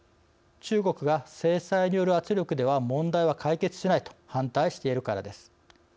中国が制裁による圧力では問題は解決しないと反対しているからです。